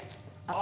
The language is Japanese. あ！